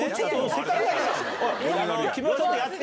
ちょっとやって。